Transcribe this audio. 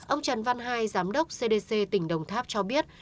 ông trần văn hai giám đốc cdc tỉnh đồng tháp cho biết